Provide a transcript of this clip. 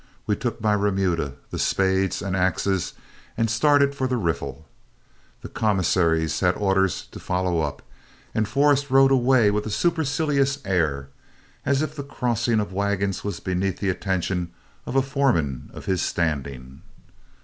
We took my remuda, the spades and axes, and started for the riffle. The commissaries had orders to follow up, and Forrest rode away with a supercilious air, as if the crossing of wagons was beneath the attention of a foreman of his standing.